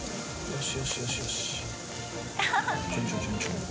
よし！